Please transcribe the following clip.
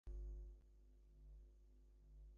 It's a goodish step, sir.